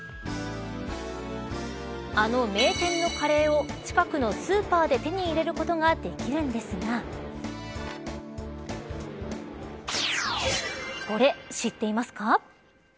あの名品のカレーを近くのスーパーで手に入れることができるんですがこれ、知っていますか。